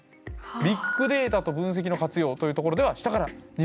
「ビッグデータと分析の活用」というところでは下から２番目。